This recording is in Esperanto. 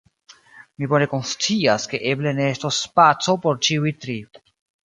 Mi bone konscias, ke eble ne estos spaco por ĉiuj tri.